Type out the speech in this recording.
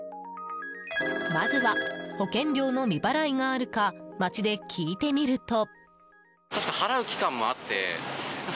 まずは保険料の未払いがあるか街で聞いてみると。